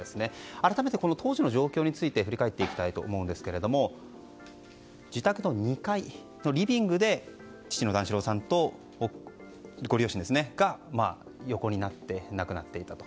改めて当時の状況について振り返っていきたいんですが自宅の２階のリビングでご両親が横になって亡くなっていたと。